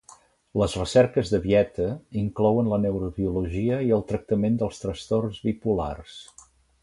Les recerques de Vieta inclouen la neurobiologia i el tractament dels trastorns bipolars.